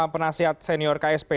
penasihat senior ksp